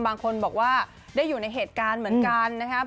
บางคนบอกว่าได้อยู่ในเหตุการณ์เหมือนกันนะครับ